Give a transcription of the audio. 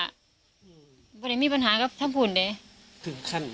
ปริศนียมมีปัญหาก็ทำผุนด้วย